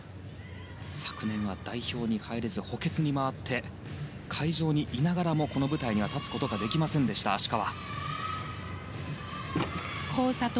昨年は代表に入れず補欠に回って会場にいながらこの舞台に立つことができなかった芦川。